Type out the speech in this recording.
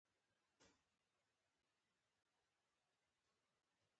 ازادي راډیو د روغتیا لپاره د خلکو غوښتنې وړاندې کړي.